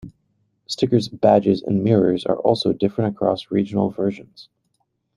Stickers, badges and mirrors are also different across regional versions.